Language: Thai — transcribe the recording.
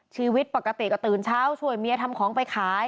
ชีวิตปกติก็ตื่นเช้าช่วยเมียทำของไปขาย